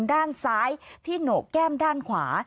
ด้านซ้ายที่โหนกแก้มด้านขวา